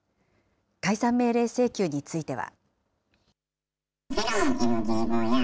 解散命令請求については。